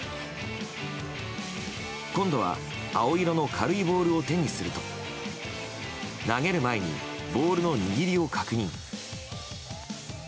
今度は青色の軽いボールを手にすると投げる前にボールの握りを確認。